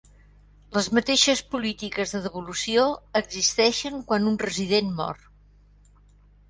Les mateixes polítiques de devolució existeixen quan un resident mor.